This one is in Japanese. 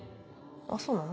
あそうなの？